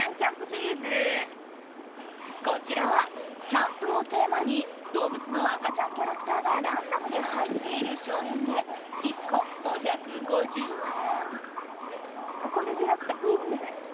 こちらはキャンプをテーマに動物の赤ちゃんキャラクターがランダムで入っている商品で１個５５０円。